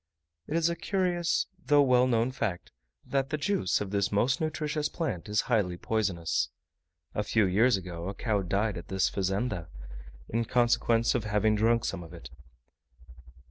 It is a curious, though well known fact, that the juice of this most nutritious plant is highly poisonous. A few years ago a cow died at this Fazenda, in consequence of having drunk some of it.